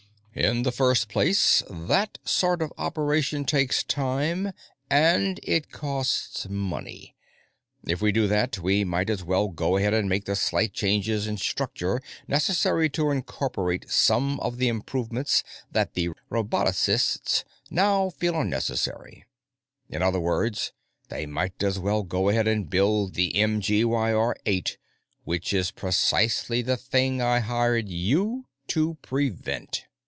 "In the first place, that sort of operation takes time, and it costs money. If we do that, we might as well go ahead and make the slight changes in structure necessary to incorporate some of the improvements that the robotocists now feel are necessary. In other words, they might as well go ahead and build the MGYR 8, which is precisely the thing I hired you to prevent."